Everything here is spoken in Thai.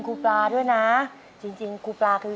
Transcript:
โฮลาเลโฮลาเลโฮลาเล